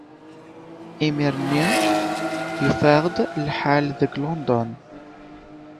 Imir-nni, yufa-aɣ-d lḥal deg London.